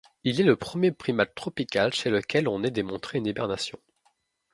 Il est le premier primate tropical chez lequel on ait démontré une hibernation.